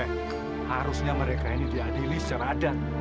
harusnya mereka ini diadili secara adat